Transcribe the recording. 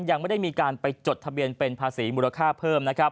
ยังไม่ได้มีการไปจดทะเบียนเป็นภาษีมูลค่าเพิ่มนะครับ